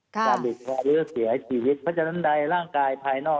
จะติดเชื้อหรือเสียชีวิตเพราะฉะนั้นใดร่างกายภายนอก